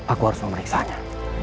aku harus memeriksanya